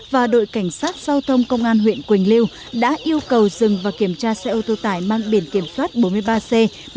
và đội cảnh sát giao thông công an huyện quỳnh lưu đã yêu cầu dừng và kiểm tra xe ô tô tải mang biển kiểm soát bốn mươi ba c một mươi bốn nghìn một trăm hai mươi một